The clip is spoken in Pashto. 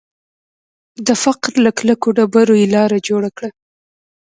د فقر له کلکو ډبرو یې لاره جوړه کړه